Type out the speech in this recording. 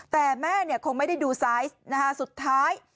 แต่แม่คงไม่ได้ดูไซส์นะคะสุดท้าย